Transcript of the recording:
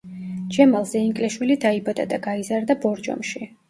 ჯემალ ზეინკლიშვილი დაიბადა და გაიზარდა ბორჯომში.